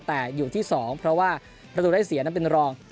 แต่อยู่ที่๒เพราะว่าประตูได้เสียนั้นเป็นรอง